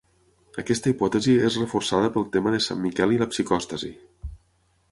Aquesta hipòtesi és reforçada pel tema de Sant Miquel i la psicòstasi.